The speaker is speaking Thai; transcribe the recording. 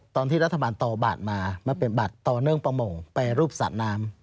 ตอนที่รัฐบาลต่อบัตรมามาเป็นบาทต่อเนื่องประมงไปรูปสระน้ำ